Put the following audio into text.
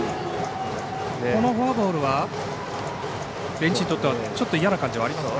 このフォアボールはベンチにとってはちょっと嫌な感じはありますか。